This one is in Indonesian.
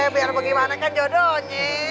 biar bagaimana kan jodohnya